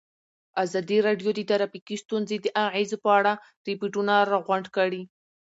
ازادي راډیو د ټرافیکي ستونزې د اغېزو په اړه ریپوټونه راغونډ کړي.